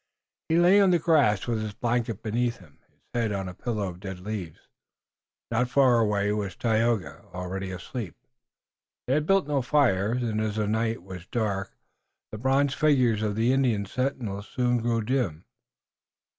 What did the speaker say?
He lay on the grass with his blanket beneath him, his head on a pillow of dead leaves. Not far away was Tayoga, already asleep. They had built no fires, and as the night was dark the bronze figures of the Indian sentinels soon grew dim.